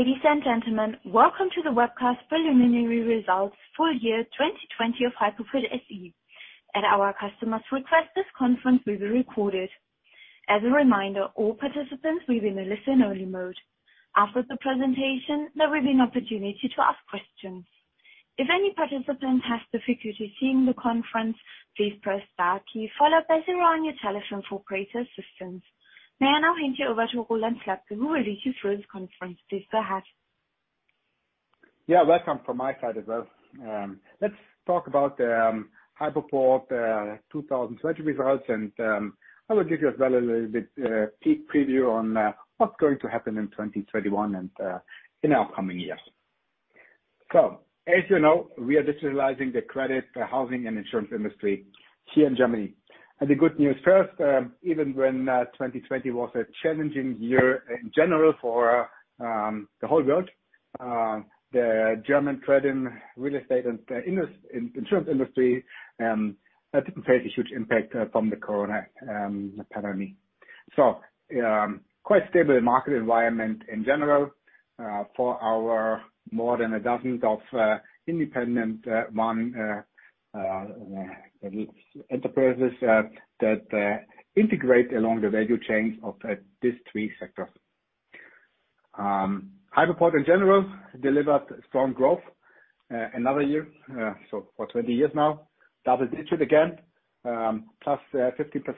Ladies and gentlemen, welcome to the webcast preliminary results full year 2020 of Hypoport SE. At our customers' request, this conference will be recorded. As a reminder, all participants will be in a listen-only mode. After the presentation, there will be an opportunity to ask questions. If any participant has difficulty seeing the conference, please press star key followed by zero on your telephone for further assistance. May I now hand you over to Ronald Slabke, who will lead you through this conference. Please go ahead. Yeah, welcome from my side as well. Let's talk about Hypoport 2020 results, and I will give you as well a little bit preview on what's going to happen in 2021 and in our coming years. As you know, we are digitalizing the credit, housing, and insurance industry here in Germany. The good news first, even when 2020 was a challenging year in general for the whole world, the German credit, real estate, and insurance industry didn't face a huge impact from the COVID pandemic. Quite stable market environment in general for our more than a dozen of independent enterprises that integrate along the value chain of these three sectors. Hypoport, in general, delivered strong growth another year. For 20 years now. Double digits again, +15%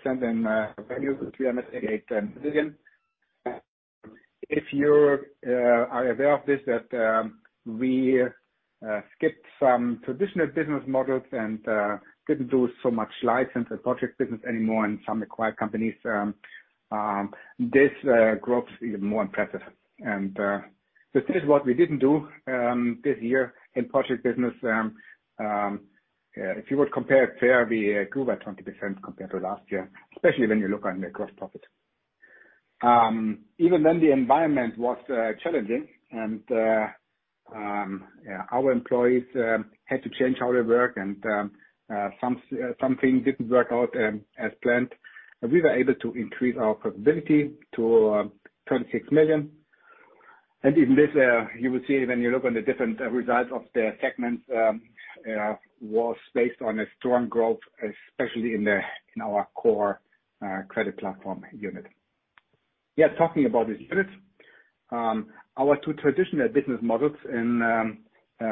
in revenue, 388 million. If you are aware of this, that we skipped some traditional business models and didn't do so much license and project business anymore and some acquired companies. This growth is even more impressive. To tell you what we didn't do this year in project business, if you would compare it fairly, grew by 20% compared to last year, especially when you look on the gross profit. Even then, the environment was challenging and our employees had to change how they work, and some things didn't work out as planned. We were able to increase our profitability to 26 million. Even this, you will see when you look on the different results of the segments was based on a strong growth, especially in our Credit Platform unit. Yeah, talking about these units. Our two traditional business models in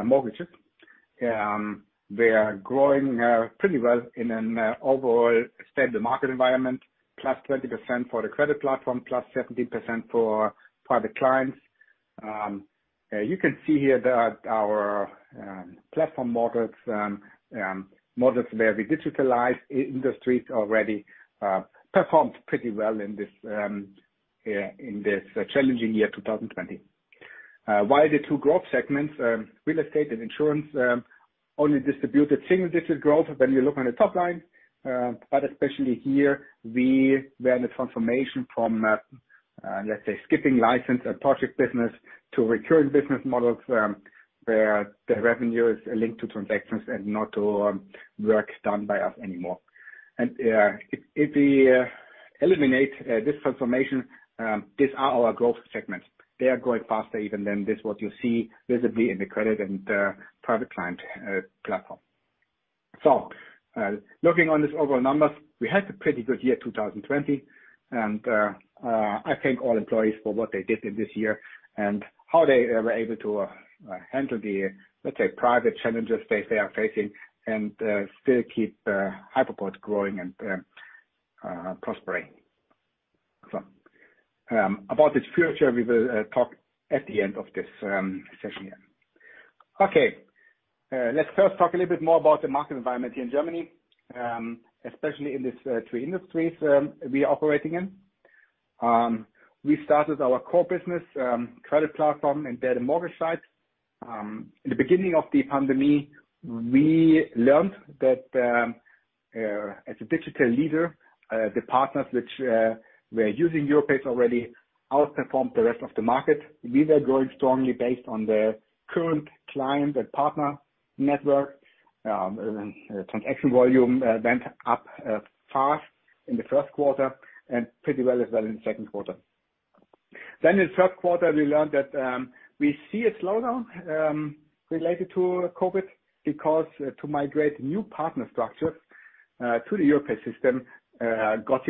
mortgages. They are growing pretty well in an overall extended market environment, +20% for Credit Platform, +17% for private clients. You can see here that our platform models where we digitalize industries already, performed pretty well in this challenging year, 2020. While the two growth segments, real estate and insurance, only distributed single digit growth when you look on the top line. Especially here, we were in the transformation from, let's say, skipping license and project business to recurring business models where the revenue is linked to transactions and not to work done by us anymore. If we eliminate this transformation, these are our growth segments. They are growing faster even than this, what you see visibly in the credit and private client platform. Looking on these overall numbers, we had a pretty good year, 2020, and I thank all employees for what they did in this year and how they were able to handle the, let's say, private challenges they are facing and still keep Hypoport growing and prospering. About its future, we will talk at the end of this session here. Okay. Let's first talk a little bit more about the market environment here in Germany, especially in these three industries we are operating in. We started our core Credit Platform, and data mortgage site. In the beginning of the pandemic, we learned that as a digital leader, the partners which were using Europace already outperformed the rest of the market. We were growing strongly based on the current client and partner network. Transaction volume went up fast in the first quarter and pretty well as well in the second quarter. In the third quarter, we learned that we see a slowdown related to COVID because to migrate new partner structures to the Europace system got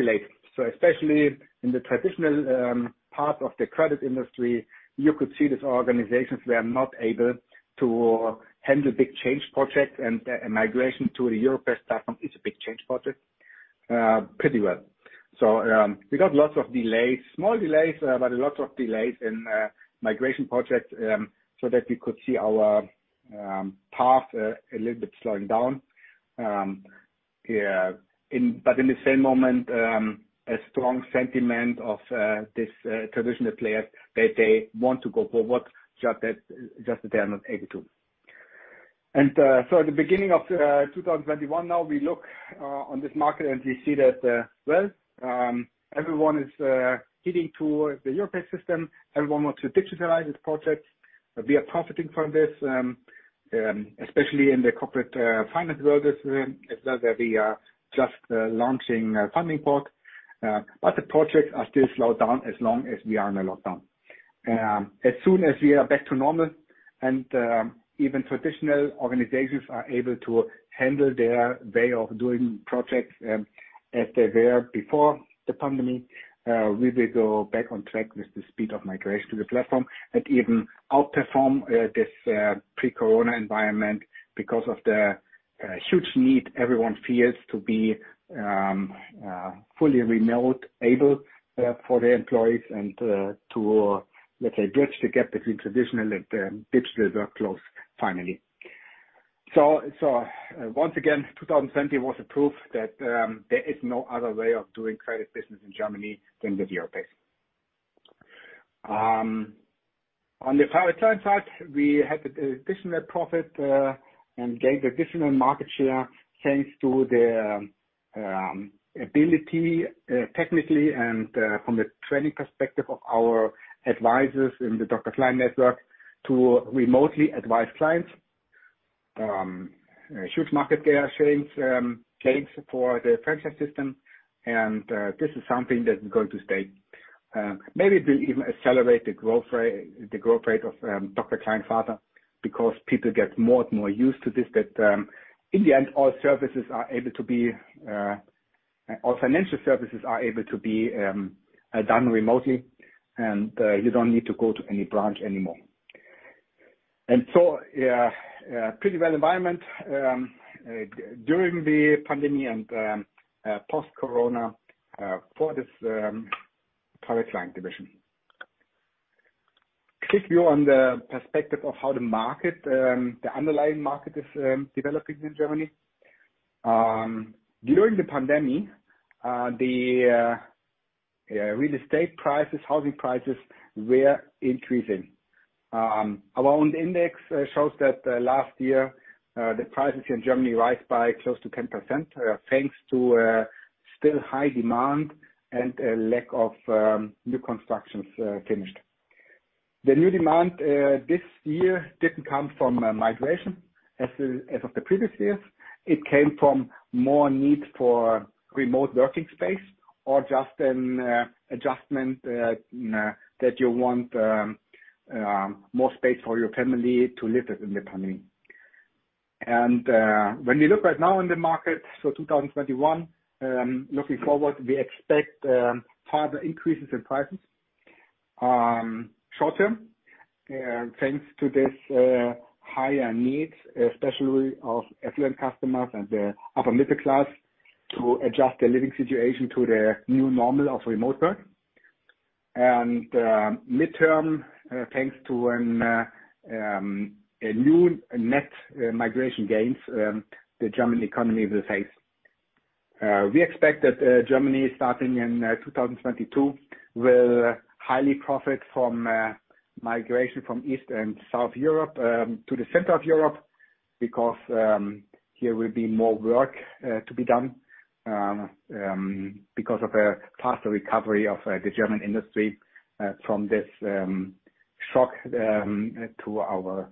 delayed. Especially in the traditional part of the credit industry, you could see these organizations were not able to handle big change projects, and migration to the Europace platform is a big change project pretty well. We got lots of delays, small delays, but a lot of delays in migration projects so that we could see our path a little bit slowing down. In the same moment, a strong sentiment of these traditional players that they want to go forward, just that they are not able to. At the beginning of 2021 now we look on this market, and we see that, well, everyone is heading toward the Europace system. Everyone wants to digitalize this project. We are profiting from this, especially in the corporate finance world as well, where we are just launching fundingport. The projects are still slowed down as long as we are in a lockdown. As soon as we are back to normal and even traditional organizations are able to handle their way of doing projects as they were before the pandemic, we will go back on track with the speed of migration to the platform and even outperform this pre-COVID environment because of the huge need everyone feels to be fully remote-able for their employees and to, let's say, bridge the gap between traditional and digital workflows finally. Once again, 2020 was a proof that there is no other way of doing credit business in Germany than with Europace. On the private client side, we had additional profit and gained additional market share thanks to the ability, technically and from the training perspective of our advisors in the Dr. Klein network, to remotely advise clients. Huge market share gains for the franchise system, and this is something that is going to stay. Maybe it will even accelerate the growth rate of Dr. Klein further because people get more and more used to this, that in the end, all financial services are able to be done remotely, and you don't need to go to any branch anymore. Pretty well environment during the pandemic and post-Corona for this private client division. Quick view on the perspective of how the underlying market is developing in Germany. During the pandemic, the real estate prices, housing prices were increasing. Our own index shows that last year, the prices in Germany rised by close to 10%, thanks to still high demand and a lack of new constructions finished. The new demand this year didn't come from migration as of the previous years. It came from more need for remote working space or just an adjustment that you want more space for your family to live in the pandemic. When we look right now in the market, so 2021, looking forward, we expect further increases in prices. Short term, thanks to this higher need, especially of affluent customers and the upper middle class, to adjust their living situation to the new normal of remote work. Midterm, thanks to a new net migration gains the German economy will face. We expect that Germany, starting in 2022, will highly profit from migration from East and South Europe to the center of Europe because there will be more work to be done because of a faster recovery of the German industry from this shock to our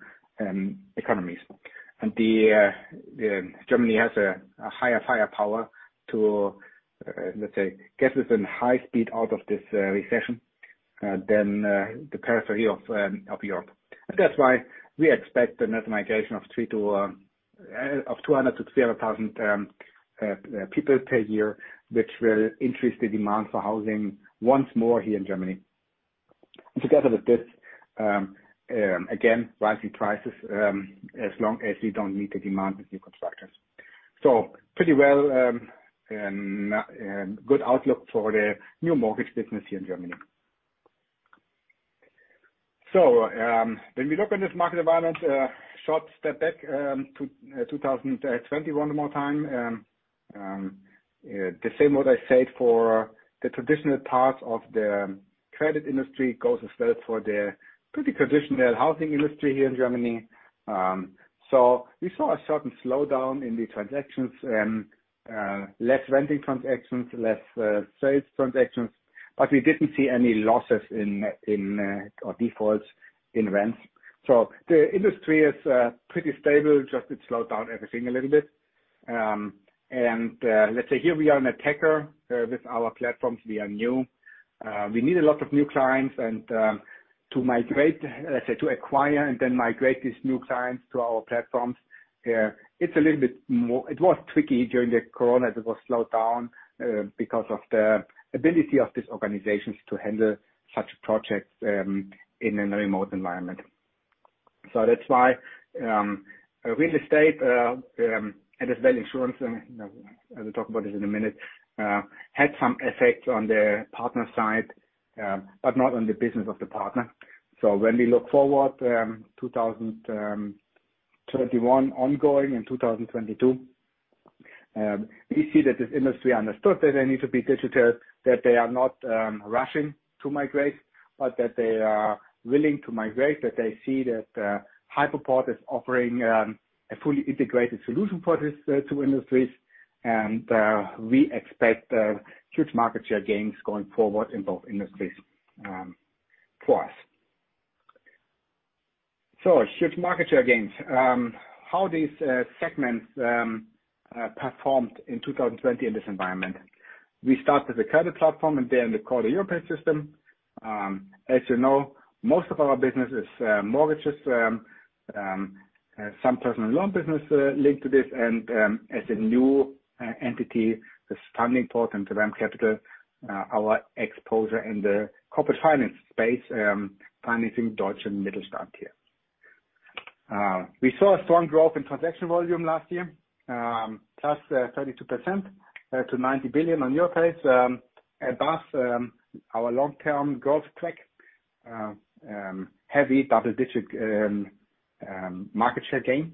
economies. Germany has a higher firepower to, let's say, get us in high speed out of this recession than the periphery of Europe. That's why we expect a net migration of 200,000 to 300,000 people per year, which will increase the demand for housing once more here in Germany. Together with this, again, rising prices as long as we don't meet the demand with new constructions. Pretty well and good outlook for the new mortgage business here in Germany. When we look at this market environment, a short step back to 2021 one more time. The same what I said for the traditional parts of the credit industry goes as well for the pretty traditional housing industry here in Germany. We saw a certain slowdown in the transactions, less renting transactions, less sales transactions, but we didn't see any losses or defaults in rents. The industry is pretty stable, just it slowed down everything a little bit. Let's say here we are an attacker with our platforms. We are new. We need a lot of new clients and to migrate, let's say, to acquire and then migrate these new clients to our platforms. It was tricky during the Corona. It was slowed down because of the ability of these organizations to handle such projects in a remote environment. That's why real estate and as well insurance, and I will talk about this in a minute, had some effect on the partner side, but not on the business of the partner. When we look forward, 2021 ongoing and 2022, we see that this industry understood that they need to be digital, that they are not rushing to migrate, but that they are willing to migrate, that they see that Hypoport is offering a fully integrated solution for these two industries. We expect huge market share gains going forward in both industries for us. Huge market share gains. How these segments performed in 2020 in this environment? We start with Credit Platform and then the core of Europace system. As you know, most of our business is mortgages, some personal loan business linked to this, and as a new entity, this fundingport into REM CAPITAL, our exposure in the corporate finance space, financing Deutsche Mittelstand here. We saw a strong growth in transaction volume last year, +32% to 90 billion on Europace above our long-term growth track. Heavy double-digit market share gain,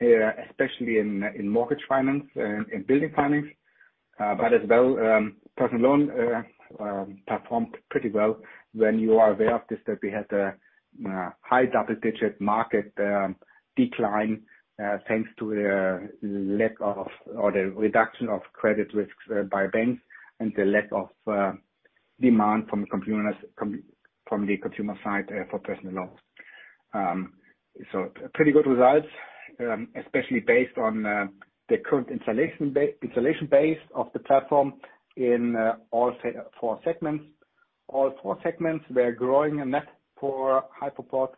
especially in mortgage finance and building finance. As well, personal loan performed pretty well when you are aware of this, that we had a high double-digit market decline, thanks to the lack of, or the reduction of credit risks by banks and the lack of demand from the consumer side for personal loans. Pretty good results, especially based on the current installation base of the platform in all four segments. All four segments were growing a net for Hypoport.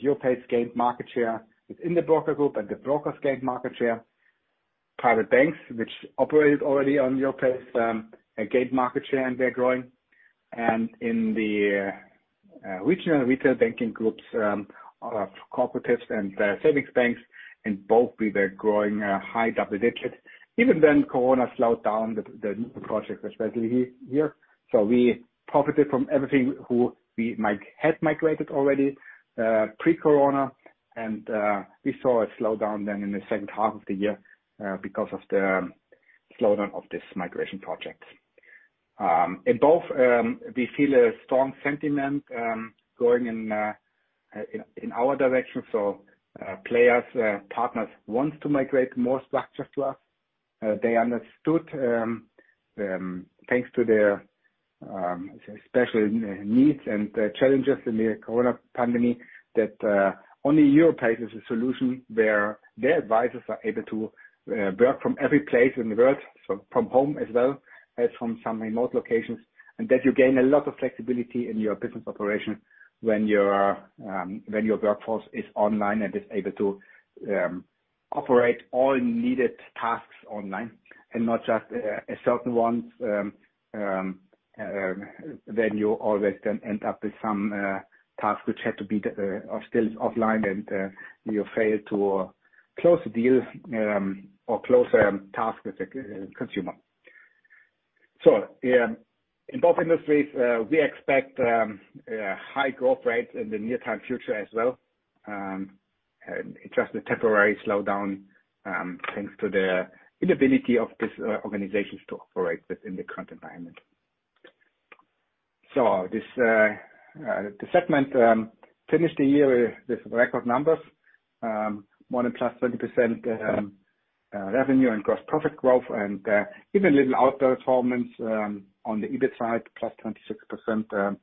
Europace gained market share within the broker group, and the brokers gained market share. Private banks, which operated already on Europace, gained market share, and they're growing. In the regional retail banking groups of cooperatives and savings banks, in both we were growing a high double digits. Even when Corona slowed down the new projects, especially here. We profited from everything who we had migrated already pre-Corona, and we saw a slowdown then in the second half of the year because of the slowdown of this migration project. In both, we feel a strong sentiment going in our direction. Players, partners wants to migrate more structures to us. They understood, thanks to their special needs and the challenges in the Corona pandemic, that only Europace is a solution where their advisors are able to work from every place in the world. From home as well as from some remote locations. That you gain a lot of flexibility in your business operation when your workforce is online and is able to operate all needed tasks online and not just certain ones, then you always then end up with some tasks which had to be still offline and you fail to close a deal or close a task with the consumer. In both industries, we expect high growth rates in the near time future as well. Just a temporary slowdown thanks to the inability of these organizations to operate within the current environment. The segment finished the year with record numbers. More than +20% revenue and gross profit growth and even a little outperformance on the EBIT side, +26%.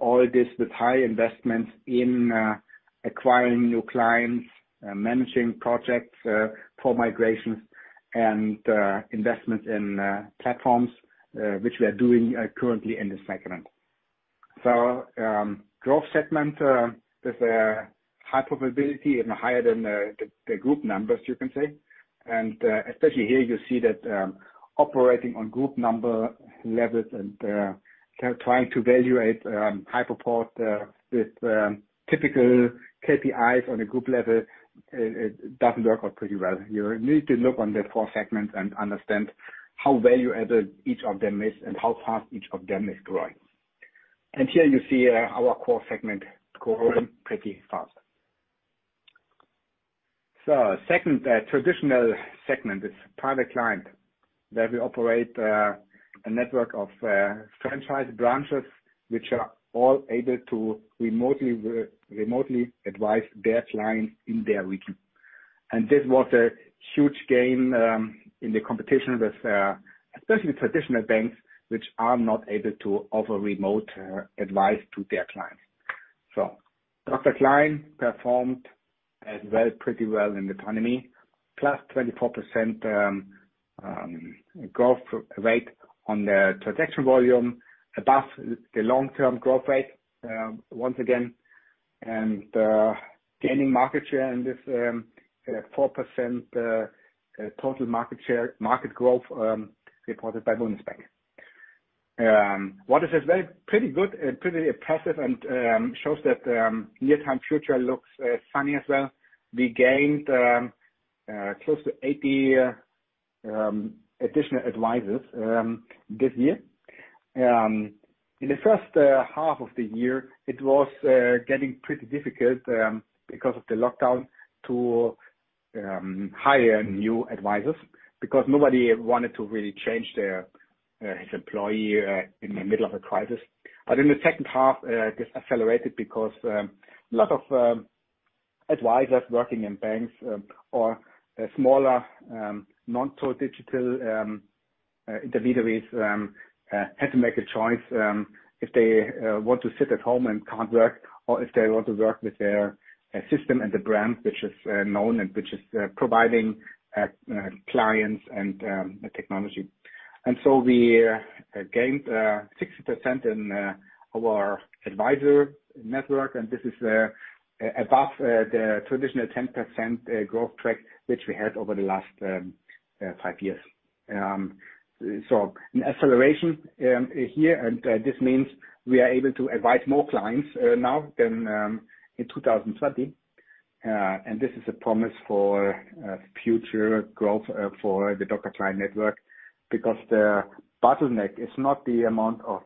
All this with high investments in acquiring new clients, managing projects for migrations and investments in platforms, which we are doing currently in this segment. Growth segment with a high probability and higher than the group numbers you can say. Especially here you see that operating on group number levels and trying to evaluate Hypoport with typical KPIs on a group level, it doesn't work out pretty well. You need to look on the four segments and understand how valuable each of them is and how fast each of them is growing. Here you see our core segment growing pretty fast. Second traditional segment is private client, where we operate a network of franchise branches, which are all able to remotely advise their clients in their region. This was a huge gain in the competition with especially traditional banks, which are not able to offer remote advice to their clients. Private client performed as well, pretty well in the economy +24% growth rate on the transaction volume above the long-term growth rate, once again. Gaining market share in this 4% total market share, market growth reported by Bundesbank. What is this? Very good, pretty impressive and shows that near time future looks sunny as well. We gained close to 80 additional advisors this year. In the first half of the year, it was getting pretty difficult because of the lockdown to hire new advisors because nobody wanted to really change their employer in the middle of a crisis. In the second half, this accelerated because a lot of advisors working in banks or smaller, non-digital intermediaries had to make a choice if they want to sit at home and can't work, or if they want to work with their system and the brand which is known and which is providing clients and technology. We gained 60% in our advisor network, and this is above the traditional 10% growth track which we had over the last five years. An acceleration here, and this means we are able to advise more clients now than in 2020. This is a promise for future growth for the Dr. Klein network, because the bottleneck is not the amount of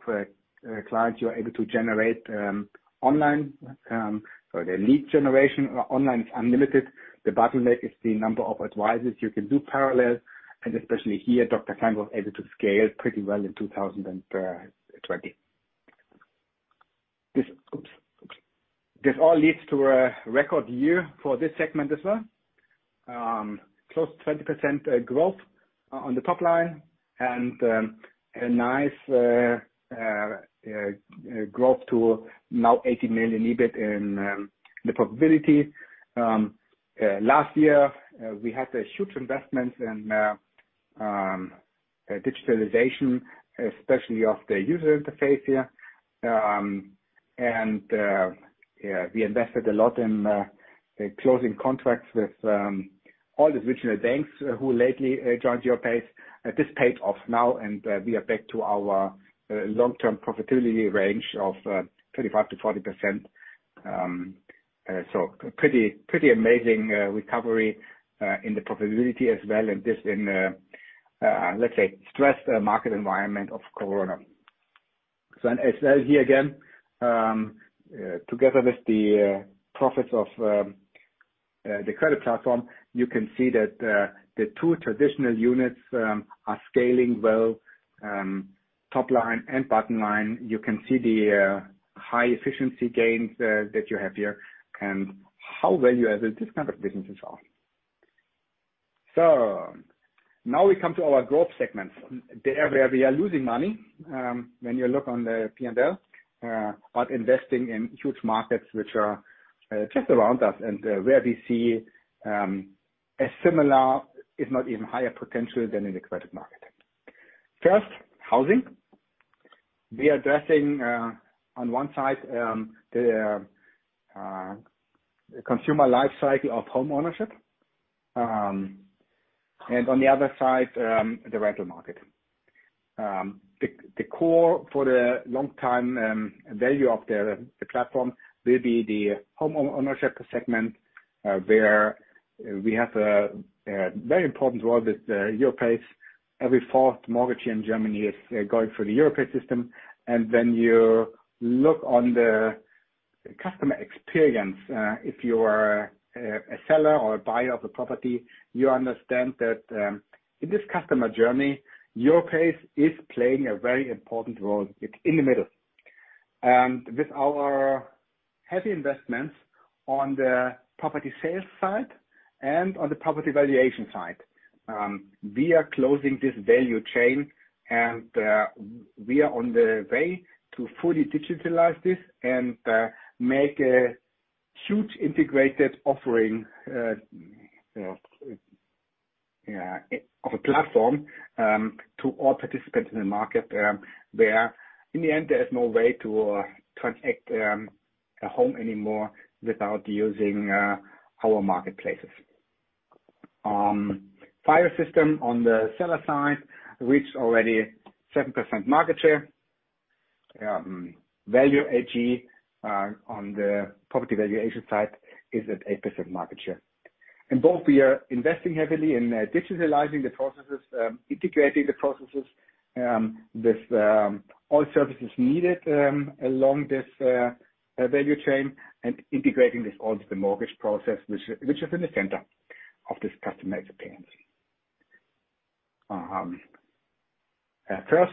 clients you are able to generate online. The lead generation online is unlimited. The bottleneck is the number of advisors you can do parallel, and especially here, Dr. Klein was able to scale pretty well in 2020. This all leads to a record year for this segment as well. Close to 20% growth on the top line and a nice growth to now 80 million EBIT in the profitability. Last year, we had a huge investment in digitalization, especially of the user interface here. We invested a lot in closing contracts with all the regional banks who lately joined Europace. This paid off now, and we are back to our long-term profitability range of 35%-40%. Pretty amazing recovery in the profitability as well, and this in, let's say, stressed market environment of Corona. Together with the profits of Credit Platform, you can see that the two traditional units are scaling well. Top line and bottom line, you can see the high efficiency gains that you have here and how value added this kind of businesses are. Now we come to our growth segments. The area we are losing money, when you look on the P&L. Investing in huge markets which are just around us and where we see a similar, if not even higher potential than in the credit market. First, housing. We are addressing on one side the consumer life cycle of home ownership. On the other side, the rental market. The core for the long time value of the platform will be the homeownership segment, where we have a very important role with Europace. Every fourth mortgage here in Germany is going through the Europace system. When you look on the customer experience, if you are a seller or a buyer of a property, you understand that in this customer journey, Europace is playing a very important role. It's in the middle. With our heavy investments on the property sales side and on the property valuation side, we are closing this value chain, and we are on the way to fully digitalize this and make a huge integrated offering of a platform to all participants in the market. Where in the end, there is no way to transact a home anymore without using our marketplaces. FIO system on the seller side reached already 7% market share. VALUE AG on the property valuation side is at 8% market share. In both, we are investing heavily in digitalizing the processes, integrating the processes with all services needed along this value chain and integrating this onto the mortgage process, which is in the center of this customer experience. First,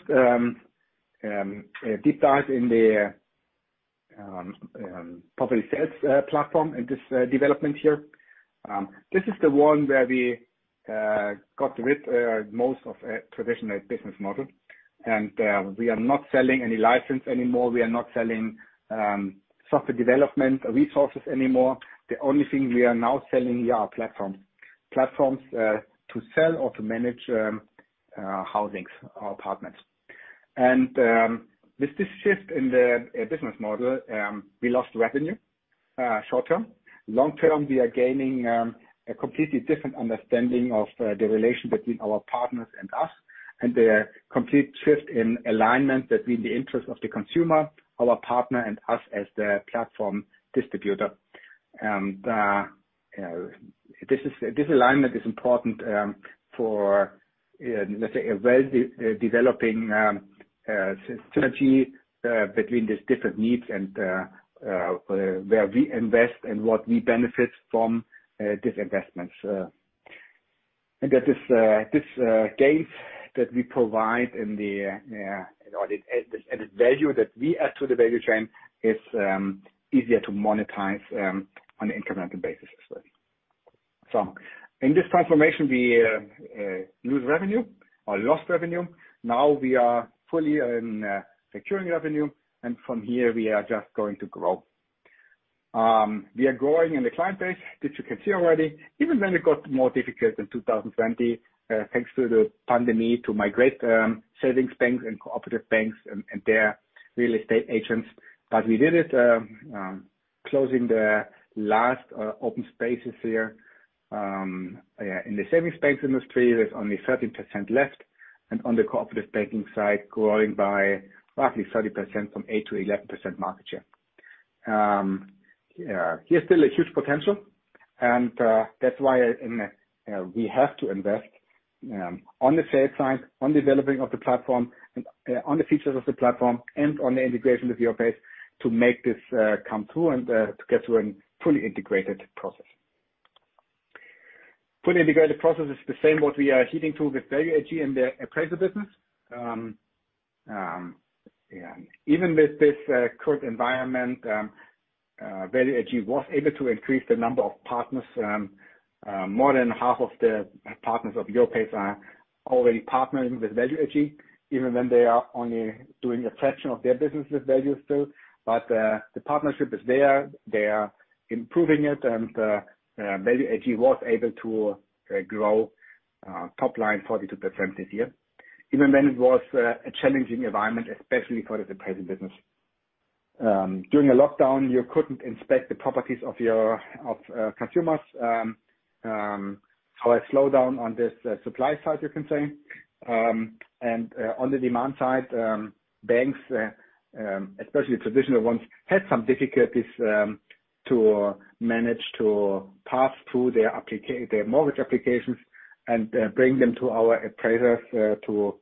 deep dive in the property sales platform and this development here. This is the one where we got rid most of a traditional business model. We are not selling any license anymore. We are not selling software development resources anymore. The only thing we are now selling here are platforms. Platforms to sell or to manage housings or apartments. With this shift in the business model, we lost revenue short-term. Long-term, we are gaining a completely different understanding of the relation between our partners and us. The complete shift in alignment between the interest of the consumer, our partner, and us as the platform distributor. This alignment is important for, let's say, a well-developing strategy between these different needs and where we invest and what we benefit from these investments. That this gain that we provide and the value that we add to the value chain is easier to monetize on an incremental basis as well. In this transformation, we lose revenue or lost revenue. Now we are fully in securing revenue, and from here, we are just going to grow. We are growing in the client base, which you can see already, even when it got more difficult in 2020, thanks to the pandemic, to migrate savings banks and cooperative banks and their real estate agents. We did it, closing the last open spaces here. In the savings banks industry, there is only 13% left, and on the cooperative banking side, growing by roughly 30% from 8% to 11% market share. Here's still a huge potential. That's why we have to invest on the sales side, on developing of the platform, on the features of the platform, and on the integration with Europace to make this come through and to get to a fully integrated process. Fully integrated process is the same what we are heading to with VALUE AG and the appraiser business. Even with this current environment, VALUE AG was able to increase the number of partners. More than half of the partners of Europace are already partnering with VALUE AG, even when they are only doing a fraction of their business with VALUE still. The partnership is there. They are improving it, and VALUE AG was able to grow top line 42% this year, even when it was a challenging environment, especially for the appraising business. During the lockdown, you couldn't inspect the properties of consumers. A slowdown on the supply side, you can say. On the demand side, banks, especially traditional ones, had some difficulties to manage to pass through their mortgage applications and bring them to our appraisers to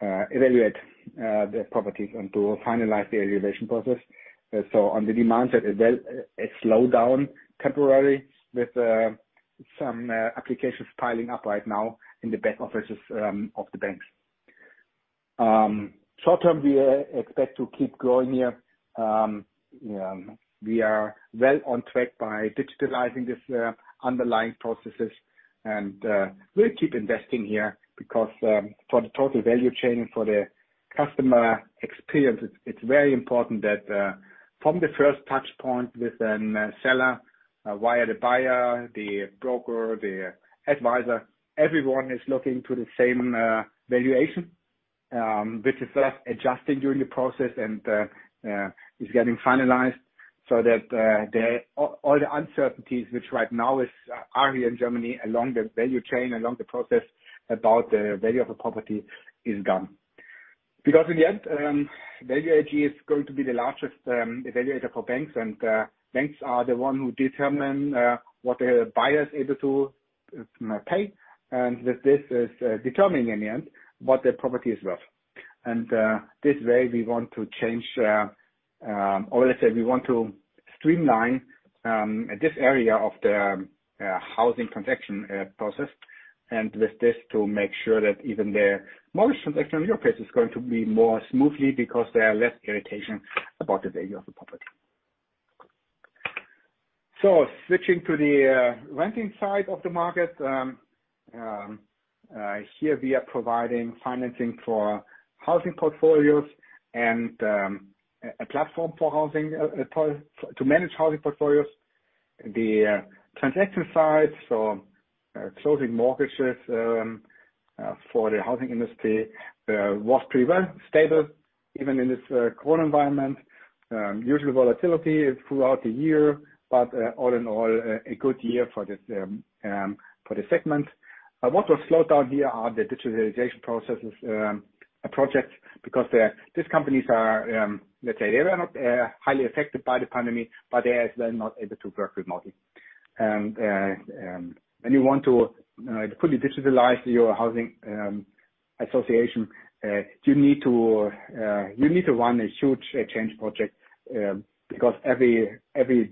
evaluate the properties and to finalize the evaluation process. On the demand side as well, a slowdown temporarily with some applications piling up right now in the back offices of the banks. Short term, we expect to keep growing here. We are well on track by digitalizing these underlying processes, and we'll keep investing here because for the total value chain, for the customer experience, it's very important that from the first touchpoint with the seller, via the buyer, the broker, the advisor, everyone is looking to the same valuation, which is then adjusted during the process and is getting finalized so that all the uncertainties, which right now are here in Germany along the value chain, along the process about the value of a property is gone. Because in the end, VALUE AG is going to be the largest evaluator for banks, and banks are the ones who determine what the buyer is able to pay, and that this is determining in the end what the property is worth. This way we want to streamline this area of the housing transaction process. With this, to make sure that even the mortgage transaction in Europace is going to be more smoothly because there are less irritation about the value of the property. Switching to the renting side of the market. Here we are providing financing for housing portfolios and a platform to manage housing portfolios. The transaction side, so closing mortgages for the housing industry was pretty well stable even in this current environment. Usual volatility throughout the year, but all in all, a good year for this segment. What was slowed down here are the digitalization processes projects, because these companies they were not highly affected by the pandemic, but they are then not able to work remotely. When you want to fully digitalize your housing association, you need to run a huge change project because every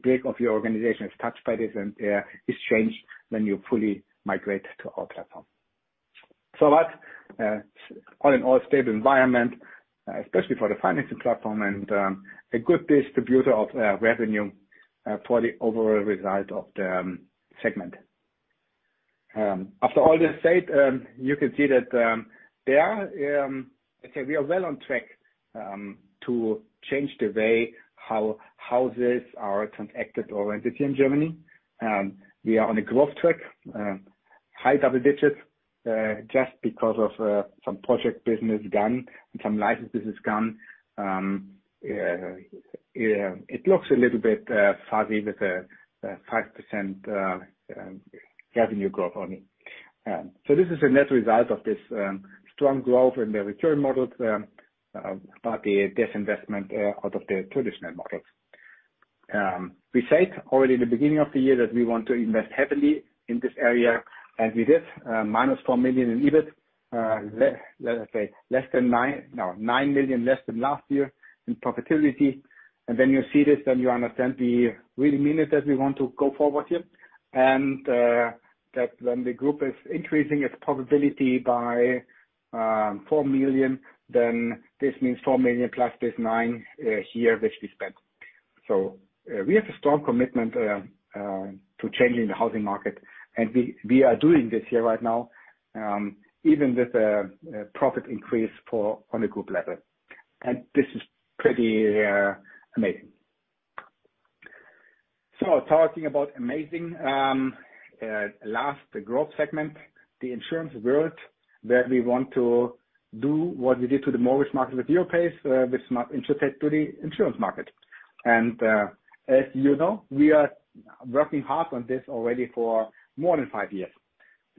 brick of your organization is touched by this and is changed when you fully migrate to our platform. That's all in all a stable environment, especially for the financing platform and a good distributor of revenue for the overall result of the segment. After all this said, you can see that we are well on track to change the way how houses are transacted or rented here in Germany. We are on a growth track, high double digits, just because of some project business gone and some license business gone. It looks a little bit fuzzy with a 5% revenue growth only. This is a net result of this strong growth in the return models, but the disinvestment out of the traditional models. We said already in the beginning of the year that we want to invest heavily in this area, we did, -4 million in EBIT. Let us say, 9 million less than last year in profitability. When you see this, you understand we really mean it, that we want to go forward here. That when the group is increasing its profitability by 4 million, this means 4 million plus this 9 million here, which we spent. We have a strong commitment to changing the housing market, we are doing this here right now, even with a profit increase on the group level. This is pretty amazing. Talking about amazing, last growth segment, the insurance world, where we want to do what we did to the mortgage market with Europace, with Smart Insur to the insurance market. As you know, we are working hard on this already for more than five years.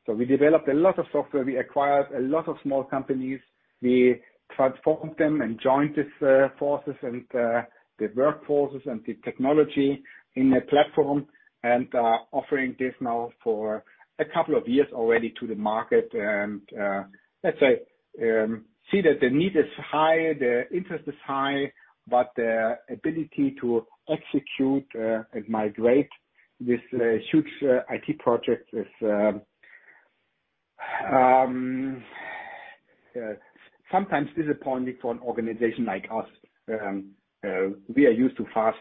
We developed a lot of software, we acquired a lot of small companies. We transformed them and joined the forces and the workforces and the technology in a platform and are offering this now for a couple of years already to the market. Let's say, see that the need is high, the interest is high, but the ability to execute and migrate this huge IT project is sometimes disappointing for an organization like us. We are used to fast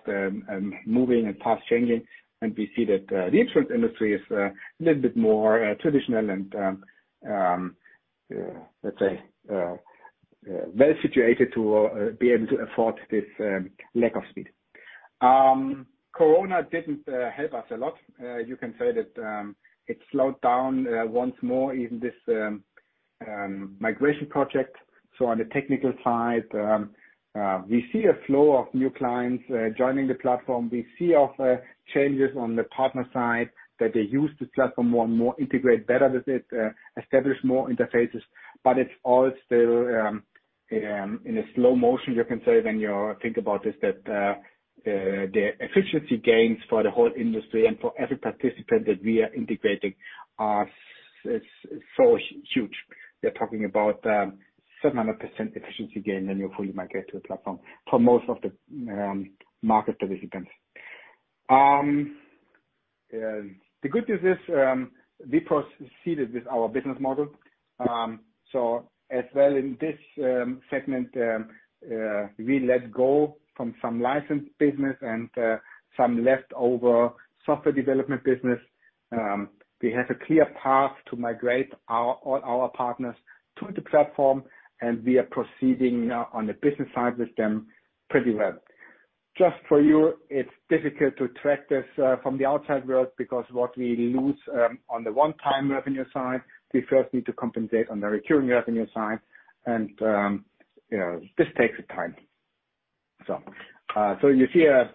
moving and fast changing. We see that the insurance industry is a little bit more traditional and, let's say, well-situated to be able to afford this lack of speed. Corona didn't help us a lot. You can say that it slowed down once more even this migration project. On the technical side, we see a flow of new clients joining the platform. We see changes on the partner side, that they use the platform more and more, integrate better with it, establish more interfaces. It's all still in a slow motion, you can say, when you think about this, that the efficiency gains for the whole industry and for every participant that we are integrating are so huge. We are talking about 700% efficiency gain when you fully migrate to a platform for most of the market participants. The good news is, we proceeded with our business model. As well in this segment, we let go from some licensed business and some leftover software development business. We have a clear path to migrate all our partners to the platform, and we are proceeding on the business side with them pretty well. Just for you, it's difficult to track this from the outside world, because what we lose on the one-time revenue side, we first need to compensate on the recurring revenue side. This takes time. You see a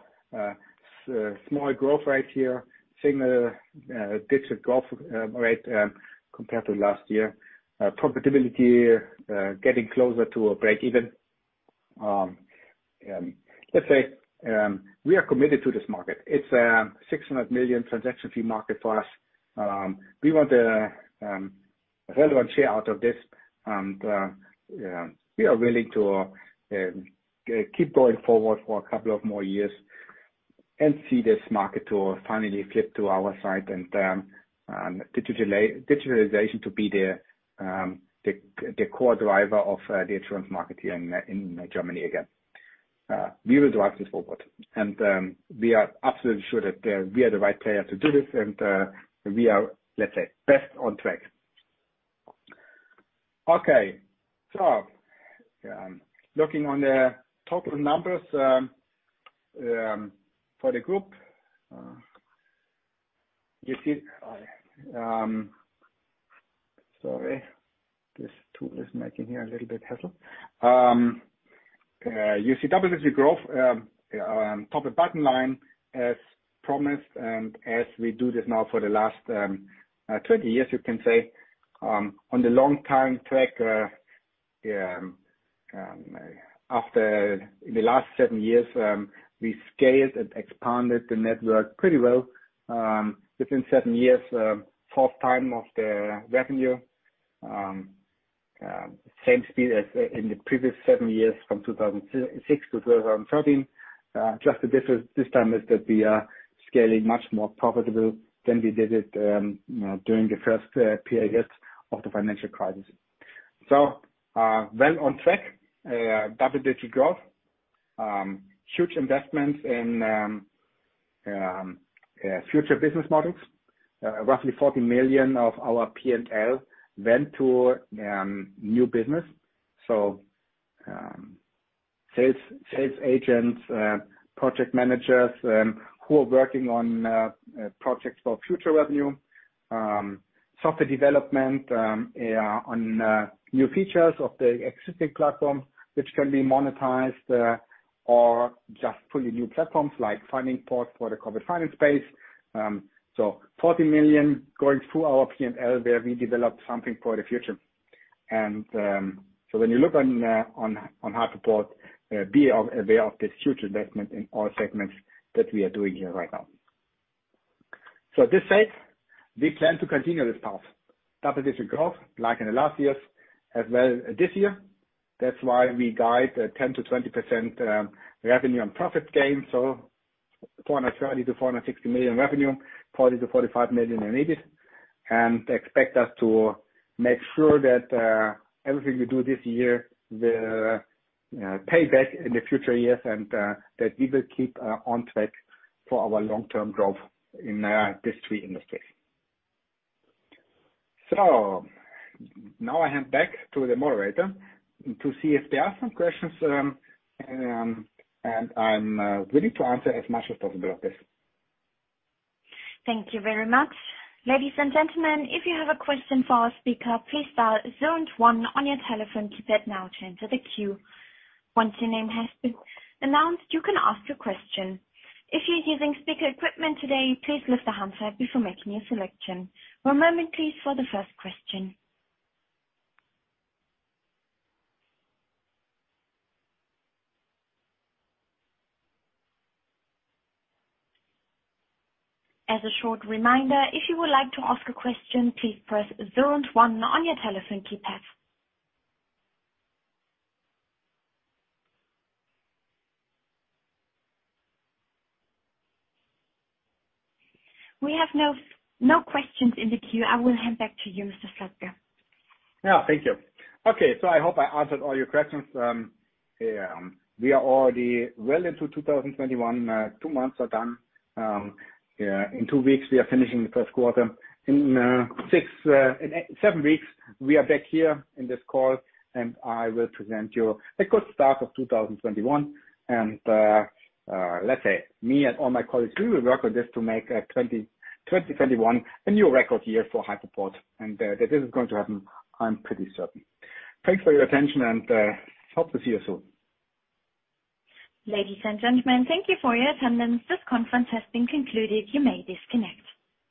small growth rate here, similar digital growth rate compared to last year. Profitability, getting closer to a break even. Let's say, we are committed to this market. It's a 600 million transaction fee market for us. We want a relevant share out of this, we are willing to keep going forward for a couple of more years and see this market to finally flip to our side and digitalization to be the core driver of the insurance market here in Germany again. We will drive this forward. We are absolutely sure that we are the right player to do this, and we are, let's say, best on track. Looking on the total numbers for the group. Sorry, this tool is making here a little bit hassle. You see double-digit growth, top and bottom line, as promised, and as we do this now for the last 20 years, you can say. On the long-time track, in the last seven years, we scaled and expanded the network pretty well. Within seven years, fourth time of the revenue. Same speed as in the previous seven years from 2006-2013. Just the difference this time is that we are scaling much more profitable than we did it during the first period of the financial crisis. Well on track. Double-digit growth. Huge investments in future business models. Roughly 40 million of our P&L went to new business. Sales agents, project managers who are working on projects for future revenue, software development on new features of the existing platform, which can be monetized, or just fully new platforms like fundingport for the corporate finance space. 40 million going through our P&L, where we developed something for the future. When you look on Hypoport, be aware of this huge investment in all segments that we are doing here right now. With this said, we plan to continue this path. Double-digit growth like in the last years as well this year. That's why we guide 10%-20% revenue and profit gain, 430 million-460 million revenue, 40 million-45 million in EBIT. Expect us to make sure that everything we do this year will pay back in the future years and that we will keep on track for our long-term growth in these three industries. Now I hand back to the moderator to see if there are some questions, and I'm willing to answer as much as possible of this. Thank you very much. Ladies and gentlemen, if you have a question for our speaker, please dial zero and one on your telephone keypad now to enter the queue. Once your name has been announced, you can ask your question. If you're using speaker equipment today, please lift the handset before making your selection. One moment please for the first question. As a short reminder, if you would like to ask a question, please press zero and one on your telephone keypad. We have no questions in the queue. I will hand back to you, Mr. Slabke. Yeah, thank you. Okay, I hope I answered all your questions. We are already well into 2021. Two months are done. In two weeks, we are finishing the first quarter. In seven weeks, we are back here in this call and I will present you a good start of 2021. Let's say, me and all my colleagues, we will work on this to make 2021 a new record year for Hypoport. That this is going to happen, I'm pretty certain. Thanks for your attention and hope to see you soon. Ladies and gentlemen, thank you for your attendance. This conference has been concluded. You may disconnect.